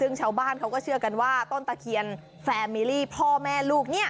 ซึ่งชาวบ้านเขาก็เชื่อกันว่าต้นตะเคียนแฟมิลี่พ่อแม่ลูกเนี่ย